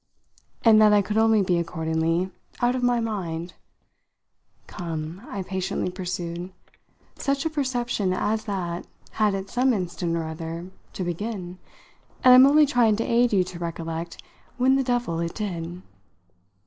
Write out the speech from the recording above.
"And that I could only be, accordingly, out of my mind? Come," I patiently pursued; "such a perception as that had, at some instant or other, to begin; and I'm only trying to aid you to recollect when the devil it did!"